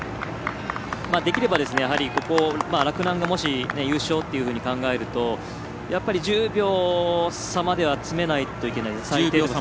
できれば、ここを洛南がもし優勝と考えるとやっぱり、１０秒差までは最低でも詰めないといけないです。